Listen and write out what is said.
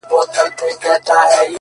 پرده به خود نو. گناه خوره سي.